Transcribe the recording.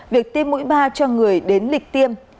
vì tiêm mũi ba cho người đến lịch tiêm